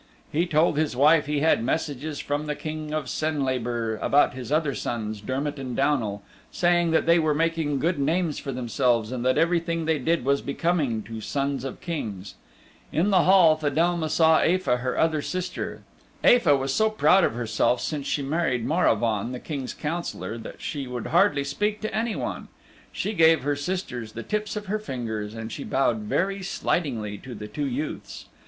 He told his wife he had messages from the King of Senlabor about his other sons Dermott and Downal, saying that they were making good names for themselves, and that everything they did was becoming to sons of Kings. In the hall Fedelma saw Aefa her other sister. Aefa was so proud of herself since she married Maravaun the King's Councillor that she would hardly speak to anyone. She gave her sisters the tips of her fingers and she bowed very slightingly to the two youths.